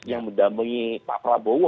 yang mendamai pak prabowo